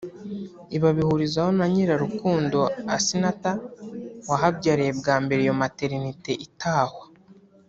Ibi abihurizaho na Nyirarukundo Assinath wahabyariye bwa mbere iyo maternité itahwa